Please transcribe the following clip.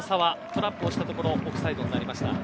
トラップをしたところオフサイドになりました。